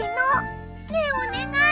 ねえお願い。